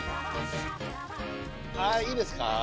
はいいいですか？